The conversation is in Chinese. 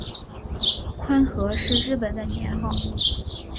宽和是日本的年号。